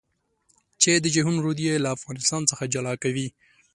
چې د جېحون رود يې له افغانستان څخه جلا کوي.